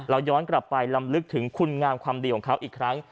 ย้อนกลับไปลำลึกถึงคุณงามความดีของเขาอีกครั้ง